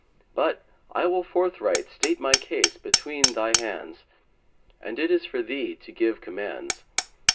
[FN#146] but I will forthright state my case between they hands, and it is for thee to give commands.